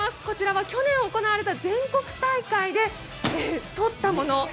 こちらは去年行われた全国大会でとったもの。